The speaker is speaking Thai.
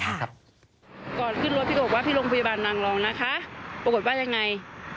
ก่อนขึ้นรถพี่บอกว่าพี่โรงพยาบาลนางรองนะคะปรากฏว่ายังไง